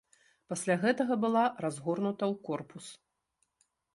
Пасля гэтага была разгорнута ў корпус.